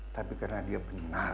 tapi karena dia benar